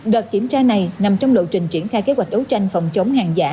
đợt kiểm tra này nằm trong lộ trình triển khai kế hoạch đấu tranh phòng chống hàng giả